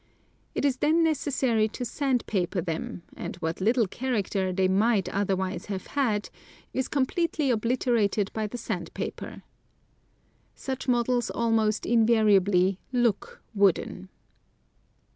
It is then necessary to sand paper them, and what little character they might otherwise have had is completely obliterated by the sand paper. Such models almost invariably look wooden.